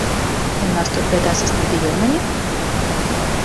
У нас тут бяда са стадыёнамі?